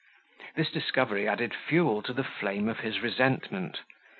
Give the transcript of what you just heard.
This discovery added fuel to the flame of his resentment.